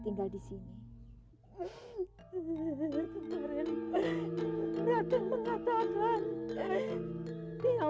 mengusir ratih dari rumahmu